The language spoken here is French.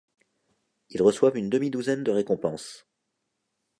Ils reçoivent une demi-douzaine de récompenses.